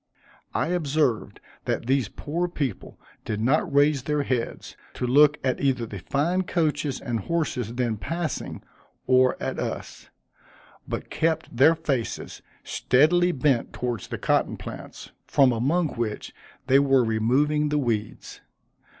I observed that these poor people did not raise their heads, to look at either the fine coaches and horses then passing, or at us; but kept their faces steadily bent towards the cotton plants, from among which they were removing the weeds.